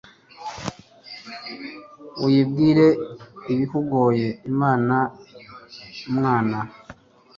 uyibwire ibikugoye (imana mwana)